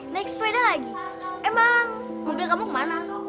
naik sepeda lagi emang mobil kamu kemana